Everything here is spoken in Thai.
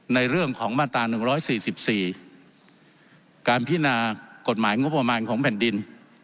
ในเรื่องของมาตรา๑๔๔การพินากฎหมายงบประมาณของแผ่นดิน